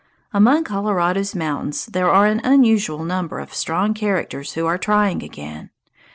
Among Colorado's mountains there are an unusual number of strong characters who are trying again.